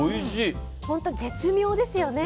本当に絶妙ですよね。